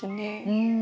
うん。